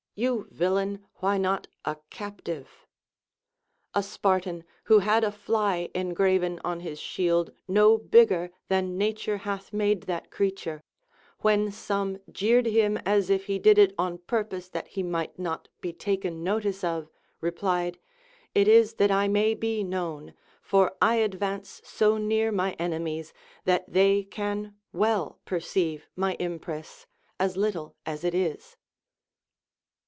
You villain, why not a captive ? A Spartan, Avho had a iiy engraven on his shield no bigger than Nature hath made that creature, Avhen some jeered him as if he did it on purpose that he might not be taken notice of, replied : It is that I may be known ; for I ad vance so near my enemies that they can well perceive my impress, as little as it is.